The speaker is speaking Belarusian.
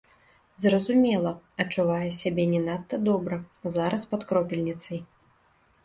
Зразумела, адчувае сябе не надта добра, зараз пад кропельніцай.